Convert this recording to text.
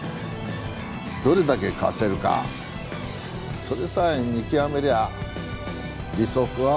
どれだけ貸せるかそれさえ見極めりゃ利息は払い続ける。